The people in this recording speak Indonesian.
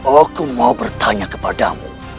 aku mau bertanya kepadamu